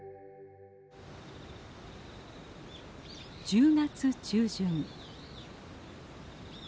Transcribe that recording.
１０月中旬。